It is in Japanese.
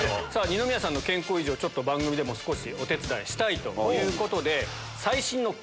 二宮さんの健康維持を番組でも少しお手伝いしたいということで。